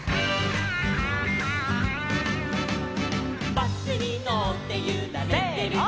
「バスにのってゆられてる」せの！